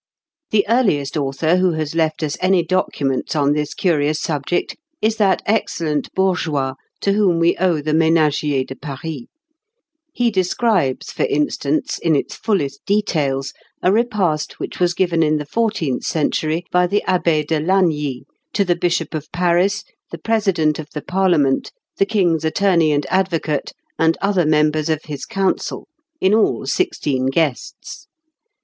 The earliest author who has left us any documents on this curious subject is that excellent bourgeois to whom we owe the "Ménagier de Paris." He describes, for instance, in its fullest details, a repast which was given in the fourteenth century by the Abbé de Lagny, to the Bishop of Paris, the President of the Parliament, the King's attorney and advocate, and other members of his council, in all sixteen guests.